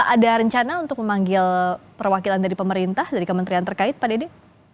ada rencana untuk memanggil perwakilan dari pemerintah dari kementerian terkait pak dedy